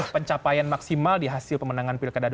pencapaian maksimal di hasil pemenangan pilkada